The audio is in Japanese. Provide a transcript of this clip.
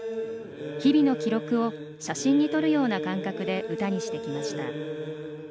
日々の記録を写真に撮るような感覚で歌にしてきました。